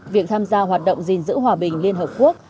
việc tham gia hoạt động gìn giữ hòa bình liên hợp quốc